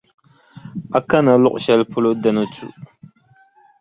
A kana luɣʼ shɛli polo di ni tu.